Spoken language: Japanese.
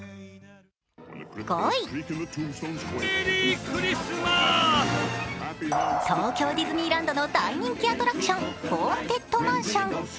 ５位、東京ディズニーランドの大人気アトラクション、ホーンテッドマンション。